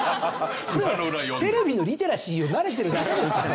テレビのリテラシー慣れてるだけですから。